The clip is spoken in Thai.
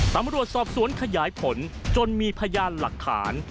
ตำรวจสอบสวนขยายผลจนมีพยานหลักฐาน